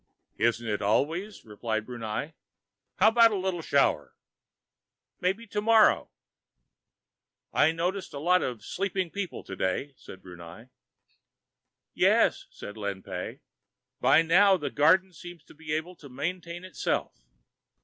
"Isn't it always?" replied Brunei. "How about a little shower?" "Maybe tomorrow." "I notice a lot of sleeping people today," said Brunei. "Yes," said Lin Pey. "By now, the garden seems to be able to maintain itself."